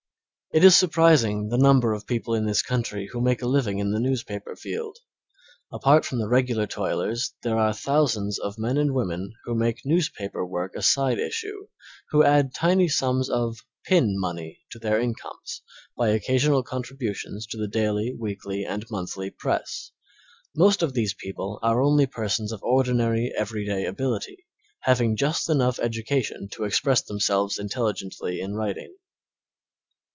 It is surprising the number of people in this country who make a living in the newspaper field. Apart from the regular toilers there are thousands of men and women who make newspaper work a side issue, who add tidy sums of "pin money" to their incomes by occasional contributions to the daily, weekly and monthly press. Most of these people are only persons of ordinary, everyday ability, having just enough education to express themselves intelligently in writing.